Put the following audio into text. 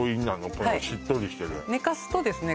このしっとりしてる寝かすとですね